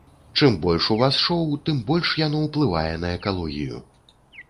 Чым больш у вас шоу, тым больш яно ўплывае на экалогію.